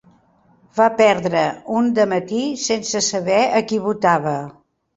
Va perdre un dematí sense saber a qui votava